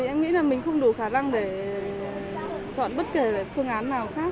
tại vì em nghĩ là mình không đủ khả năng để chọn bất kể phương án nào khác